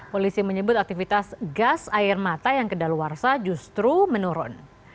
polisi menyebut aktivitas gas air mata yang kedaluarsa justru menurun